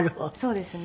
そうですね。